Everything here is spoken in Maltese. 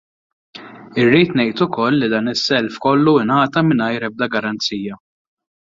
Irrid ngħid ukoll li dan is-self kollu ngħata mingħajr ebda garanzija.